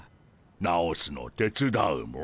直すの手伝うモ。